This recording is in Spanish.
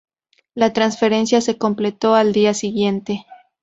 La transferencia se completó al día siguiente.